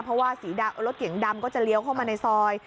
เพราะว่าสีดำรถเก่งดำก็จะเลี้ยวเข้ามาในซอย